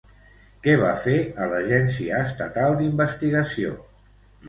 Què va fer a l'Agència Estatal d'Investigació?